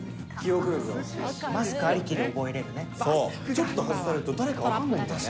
ちょっと外されると誰か分からないんだよね。